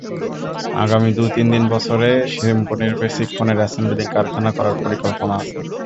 আগামী দু-তিন বছরে সিম্ফনির বেসিক ফোনের অ্যাসেম্বলিং কারখানা করার পরিকল্পনা আছে।